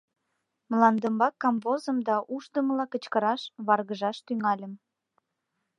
Мландымбак камвозым да ушдымыла кычкыраш, варгыжаш тӱҥальым.